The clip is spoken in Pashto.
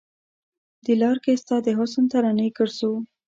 د لار کې ستا د حسن ترانې ګرځو